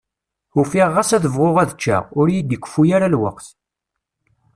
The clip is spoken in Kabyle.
Ufiɣ ɣas ad bɣuɣ ad ččeɣ, ur yi-d-ikeffu ara lweqt.